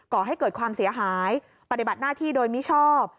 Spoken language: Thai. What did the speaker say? ก่อให้เกิดความเสียหายปฏิบัติหน้าที่โดยมิชอบ